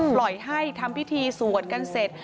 ปล่อยให้ทำพิธีสวดกันเสร็จ